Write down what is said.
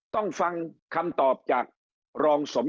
ต้องฟังคำตอบจากรองสม